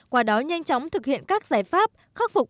qua đó nhanh chóng thực hiện các giải pháp khắc phục